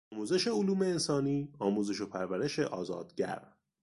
آموزش علوم انسانی، آموزش و پرورش آزادگر